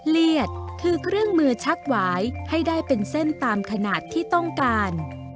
เลียดคือเครื่องมือชักหวายให้ได้เป็นเส้นตามขนาดที่ต้องการ